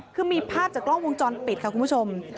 คือมีภาพจากกล้องวงจรปิดค่ะคุณผู้ชม